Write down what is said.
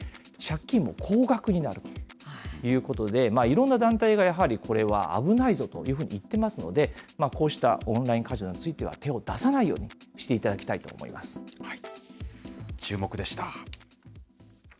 さらに、借金も高額になるということで、いろんな団体がやはりこれは危ないぞというふうに言っていますので、こうしたオンラインカジノについては、手を出さないようにしていただきたいと思いまチューモク！でした。